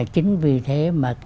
chính vì thế mà